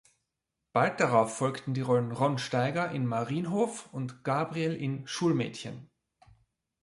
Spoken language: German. Bald darauf folgten die Rollen Ron Steiger in "Marienhof" und Gabriel in "Schulmädchen".